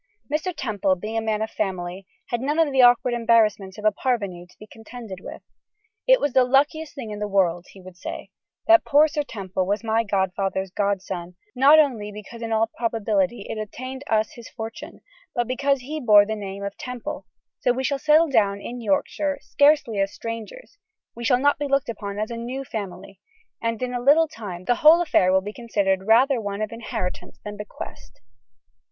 Mr. Temple being a man of family, had none of the awkward embarrassments of a parvenu to contend with. 'It was the luckiest thing in the world,' he would say, 'that poor Sir Temple was my grandfather's godson, not only because in all probability it obtained us his fortune, but because he bore the name of Temple: we shall settle down in Yorkshire scarcely as strangers, we shall not be looked upon as a new family, and in a little time the whole affair will be considered rather one of inheritance than bequest.